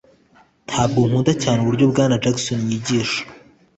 tabwo nkunda cyane uburyo bwana jackson yigisha.